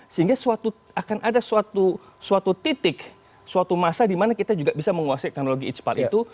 sehingga akan ada suatu titik suatu masa dimana kita juga bisa menguasai teknologi ichpal itu